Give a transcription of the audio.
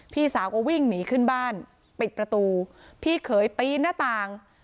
พี่สาวก็วิ่งหนีขึ้นบ้านปิดประตูพี่เขยปีนหน้าต่าง